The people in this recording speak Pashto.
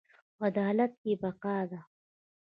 عدالت کې بقا ده